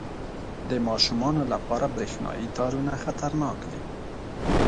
• د ماشومانو لپاره برېښنايي تارونه خطرناک دي.